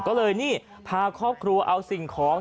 ก็เลยนี่พาครอบครัวเอาสิ่งของ